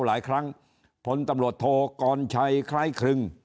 หลายครั้งพลตำรวจโทกรชัยคล้ายครึ่ง